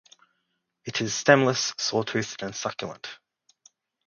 It is stemless, sawtoothed and succulent.